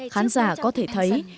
khán giả có thể thấy